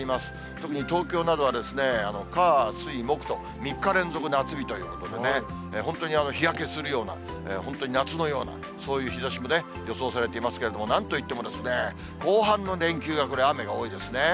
特に東京などは火、水、木と、３日連続夏日ということでね、本当に日焼けするような、本当に夏のような、そういう日ざしも予想されていますけれども、なんといってもですね、後半の連休がこれ、雨が多いですね。